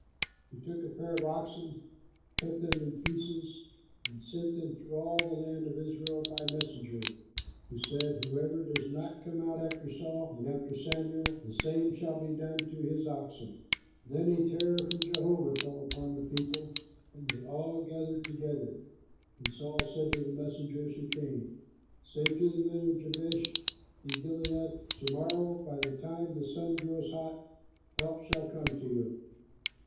He took a pair of oxen, cut them in pieces, and sent them through all the land of Israel by messengers, who said, "Whoever does not come out after Saul and after Samuel, the same shall be done to his oxen!" Then a terror from Jehovah fell upon the people, and they all gathered together. And Saul said to the messengers who came, "Say to the men of Jabesh in Gilead, 'To morrow by the time the sun grows hot help shall come to you.'"